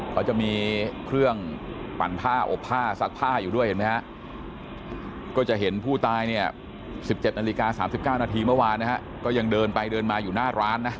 เขาจะมีเครื่องปั่นผ้าอบผ้าซักผ้าอยู่ด้วยเห็นไหมฮะก็จะเห็นผู้ตายเนี่ย๑๗นาฬิกา๓๙นาทีเมื่อวานนะฮะก็ยังเดินไปเดินมาอยู่หน้าร้านนะ